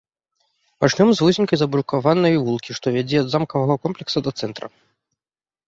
Пачнём з вузенькай забрукаванай вулкі, што вядзе ад замкавага комплекса да цэнтра.